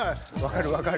分かる！